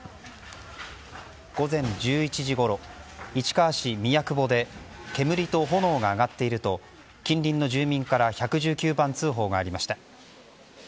午前１１時ごろ市川市宮久保で煙と炎が上がっていると近隣の住民から１１９番通報がありました。